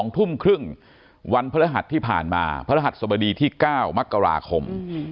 ๒ทุ่มครึ่งวันพระรหัสที่ผ่านมาพระหัสสบดีที่๙มกราคม